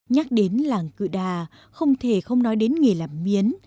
nhắc đến làng cự đà không thể không nói đến nghề làm miến